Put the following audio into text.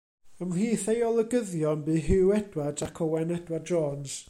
Ymhlith ei olygyddion bu Hugh Edwards ac Owen Edward Jones.